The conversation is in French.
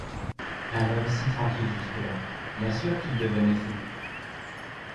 Un homme si tranquille jusque-là! bien sûr qu’il devenait fou.